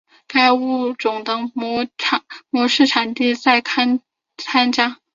该物种的模式产地在堪察加。